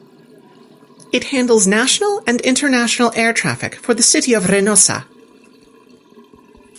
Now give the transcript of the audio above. It handles national and international air traffic for the city of Reynosa.